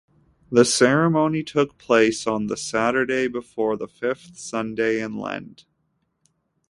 The ceremony took place on the Saturday before the fifth Sunday in Lent.